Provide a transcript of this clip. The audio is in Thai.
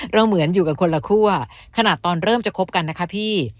เหมือนอยู่กันคนละครัวขนาดตอนเริ่มจะคบกันนะคะพี่